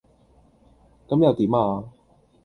咁又點呀?